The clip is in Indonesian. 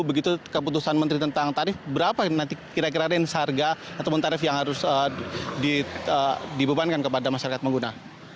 begitu keputusan menteri tentang tarif berapa nanti kira kira range harga ataupun tarif yang harus dibebankan kepada masyarakat pengguna